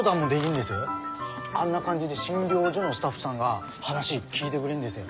あんな感じで診療所のスタッフさんが話聞いでくれんですよ。